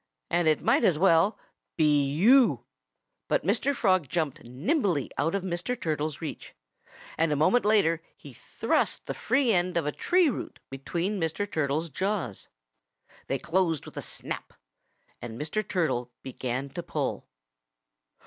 And it might as well be you." But Mr. Frog jumped nimbly out of Mr. Turtle's reach. And a moment later he thrust the free end of a tree root between Mr. Turtle's jaws. They closed with a snap. And Mr. Turtle began to pull.